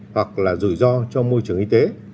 hoặc là rủi ro cho môi trường y tế